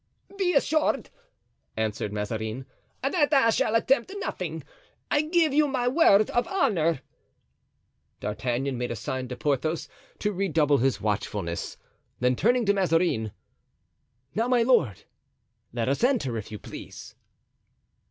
"Be assured," answered Mazarin, "that I shall attempt nothing; I give you my word of honor." D'Artagnan made a sign to Porthos to redouble his watchfulness; then turning to Mazarin: "Now, my lord, let us enter, if you please."